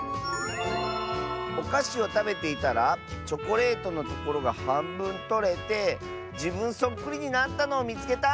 「おかしをたべていたらチョコレートのところがはんぶんとれてじぶんそっくりになったのをみつけた！」。